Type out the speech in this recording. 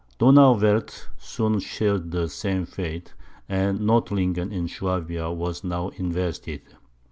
Donauwerth soon shared the same fate, and Nordlingen in Swabia was now invested.